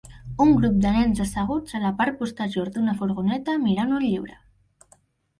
Un grup de nens asseguts a la part posterior d'una furgoneta mirant un llibre.